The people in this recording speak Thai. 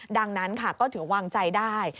ดังนั้นค่ะก็ถือวางใจได้